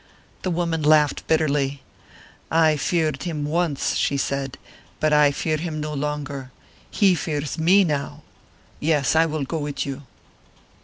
The woman laughed bitterly. "I feared him once," she said; "but I fear him no longer; he fears me now. Yes, I will go with you."